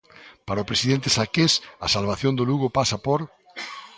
Para o presidente Saqués a salvación do Lugo pasa por...